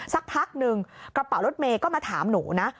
สักพักหนึ่งกระเป๋ารถเมย์ก็มาถามหนูนะ